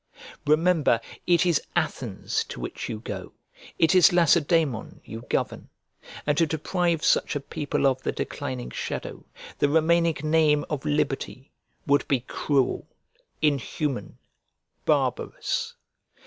Remember, it is Athens to which you go; it is Lacedaemon you govern; and to deprive such a people of the declining shadow, the remaining name of liberty, would be cruel, inhuman, barbarous.